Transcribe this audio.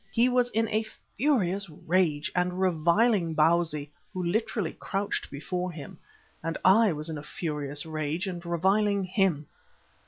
He was in a furious rage and reviling Bausi, who literally crouched before him, and I was in a furious rage and reviling him.